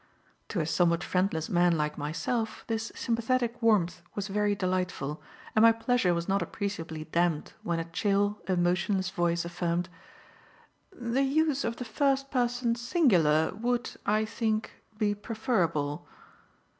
To a somewhat friendless man like myself this sympathetic warmth was very delightful, and my pleasure was not appreciably damped when a chill, emotionless voice affirmed: "The use of the first person singular would, I think, be preferable."